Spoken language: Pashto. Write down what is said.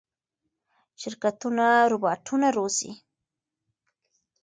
شرکتونه روباټونه روزي.